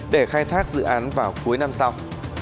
để khai thác dự án vào cuối năm sau